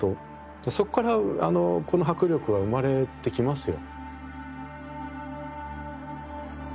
そこからこの迫力は生まれてきますよ。